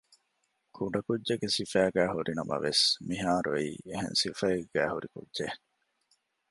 ކުޑަކުއްޖެއްގެ ސިފައިގައި ހުރި ނަމަވެސް މިހާރު އެއީ އެހެން ސިފައެއްގައި ހުރި ކުއްޖެއް